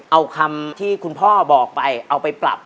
เอาคำที่คุณพ่อบอกไปเอาไปปรับ